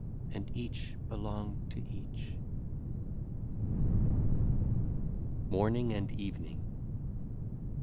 And each belong to each." 92 MORNING AND EVENING.